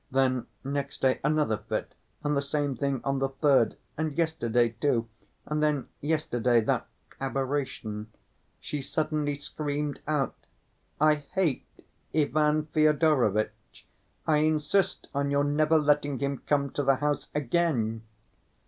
Then, next day another fit, and the same thing on the third, and yesterday too, and then yesterday that aberration. She suddenly screamed out, 'I hate Ivan Fyodorovitch. I insist on your never letting him come to the house again.